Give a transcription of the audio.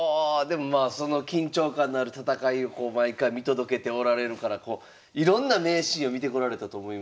でもまあその緊張感のある戦いを毎回見届けておられるからいろんな名シーンを見てこられたと思いますから。